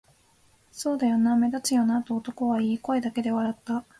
「そうだよな、目立つよな」と男は言い、声だけで笑った